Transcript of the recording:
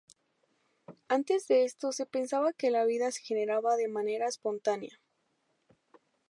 Antes de esto se pensaba que la vida se generaba de manera espontánea.